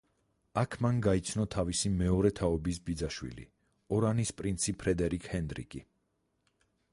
აქ მან გაიცნო თავისი მეორე თაობის ბიძაშვილი, ორანის პრინცი ფრედერიკ ჰენდრიკი.